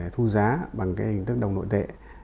thu giá bằng hình tức đồng nội tệ